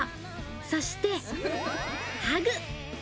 そしてハグ。